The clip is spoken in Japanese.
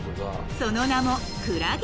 ［その名も］